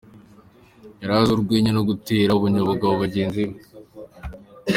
Yari azwiho urwenya no gutera akanyabugabo bagenzi be.